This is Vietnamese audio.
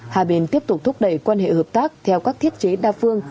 hà bình tiếp tục thúc đẩy quan hệ hợp tác theo các thiết chế đa phương